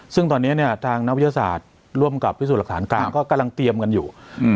ซึ่งตอนนี้เนี่ยทางนักวิทยาศาสตร์ร่วมกับพิสูจน์หลักฐานกลางก็กำลังเตรียมกันอยู่